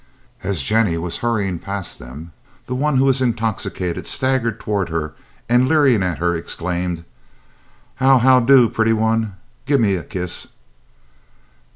As Jennie was hurrying past them, the one who was intoxicated staggered toward her, and leering at her, exclaimed, "How—how do, pretty one? Give me a—a kiss!"